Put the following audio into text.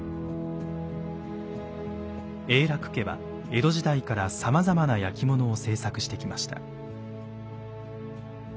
永樂家は江戸時代からさまざまな焼物を制作してきました。